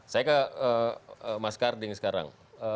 saya ke mas karding sekarang